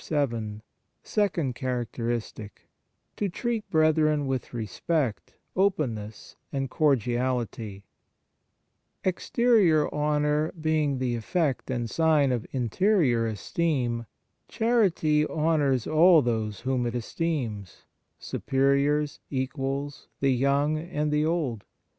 VII SECOND CHARACTERISTIC To treat brethren with respect, openness, and cordiality EXTERIOR honour being the effect and sign of interior esteem, charity honours all those whom it esteems superiors, equals, the young and the old.